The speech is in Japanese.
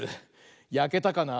やけたかな。